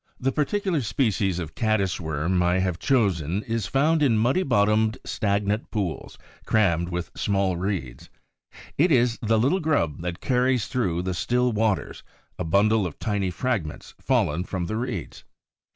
The particular species of Caddis worm I have chosen is found in muddy bottomed, stagnant pools crammed with small reeds. It is the little grub that carries through the still waters a bundle of tiny fragments fallen from the reeds.